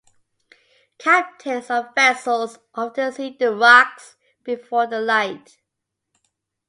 Captains of vessels often see the rocks before the light.